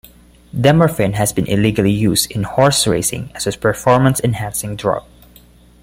Dermorphin has been illegally used in horse racing as a performance-enhancing drug.